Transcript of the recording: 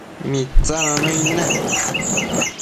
Mitsina nëid nec